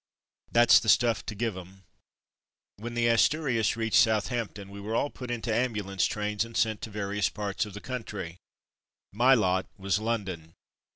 " That's the stuff to give 'em. When the Asturias reached Southampton we were all put into ambulance trains and sent to various parts of the country. My lot was London.